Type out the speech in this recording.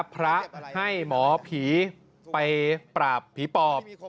พระให้หมอผีไปปราบผีปอบ